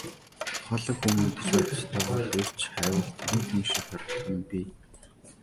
Ухаалаг хүн мэдэж байх ёстойгоо эрж хайвал тэнэг хүн шиг харагдах нь бий.